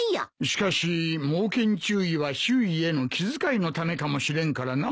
しかし「猛犬注意」は周囲への気遣いのためかもしれんからな。